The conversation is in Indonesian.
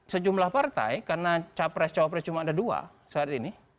sejumlah partai karena capres capres cuma ada dua saat ini